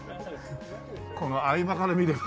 この合間から見れば。